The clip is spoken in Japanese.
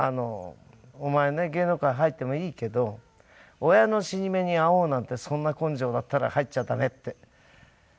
「お前ね芸能界入ってもいいけど親の死に目に会おうなんてそんな根性だったら入っちゃダメ」って言われました。